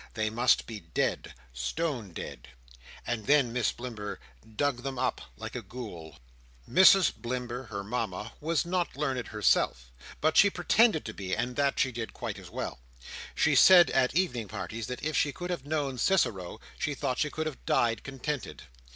They must be dead—stone dead—and then Miss Blimber dug them up like a Ghoul. Mrs Blimber, her Mama, was not learned herself, but she pretended to be, and that did quite as well. She said at evening parties, that if she could have known Cicero, she thought she could have died contented.